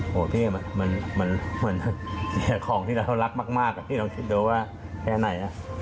โอ้โหพี่เหมือนเสียของที่เรารักมากพี่ลองคิดดูว่าแค่ไหน